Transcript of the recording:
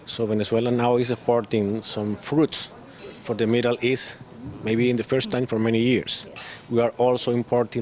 jadi venezuela sekarang menawarkan beberapa buah untuk tengah tengah mungkin pertama kali dalam beberapa tahun